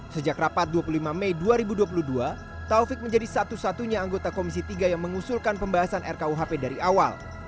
sejak rapat dua puluh lima mei dua ribu dua puluh dua taufik menjadi satu satunya anggota komisi tiga yang mengusulkan pembahasan rkuhp dari awal